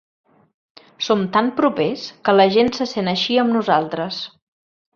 Som tan propers que la gent se sent així amb nosaltres.